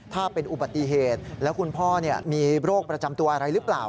ถ้าเป็นอุบัติเหตุแล้วคุณพ่อมีโรคประจำตัวอะไรหรือเปล่า